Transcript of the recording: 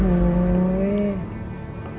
โอ้โห